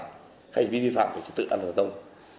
các hành vi vi phạm về trật tự an toàn giao thông